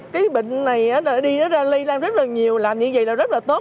cái bệnh này đi nó lây lan rất là nhiều làm như vậy là rất là tốt